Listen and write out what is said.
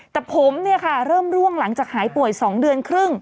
แต่ผมเริ่มร่วงหลังจากหายป่วย๒เดือนครึ่ง